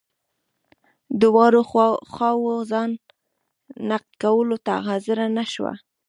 دواړو خواوو ځان نقد کولو ته حاضره نه شوه.